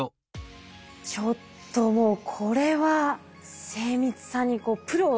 ちょっともうこれは精密さにプロを感じました。